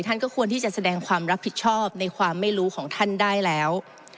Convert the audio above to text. ท่านก็ควรที่จะแสดงความรับผิดชอบในความไม่รู้ของท่านได้แล้ว